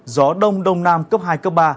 gió đông đông nam cấp hai cấp ba